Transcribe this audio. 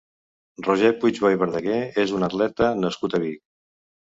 Roger Puigbò i Verdaguer és un atleta nascut a Vic.